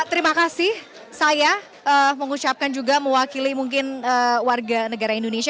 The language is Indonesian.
terima kasih saya mengucapkan juga mewakili mungkin warga negara indonesia